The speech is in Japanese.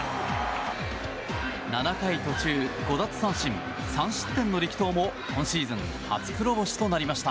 ７回途中５奪三振３失点の力投も今シーズン初黒星となりました。